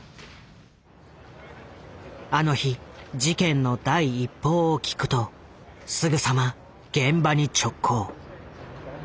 あの日事件の第一報を聞くとすぐさま現場に直行。